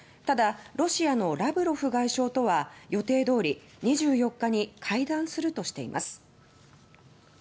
ただロシアのラブロフ外相とは予定通り２４日に会談するとしています。